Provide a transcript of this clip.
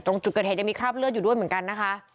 ตรงจุดเกิดเหตุยังมีคราบเลือดอยู่ด้วยเหมือนกันนะคะ